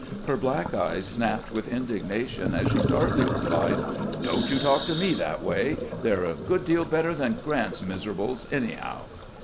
Her black eyes snapped with indigna tion as she tartly replied :" Don't you talk to me that way ; they 're a good deal better than G rant's miserables anyhow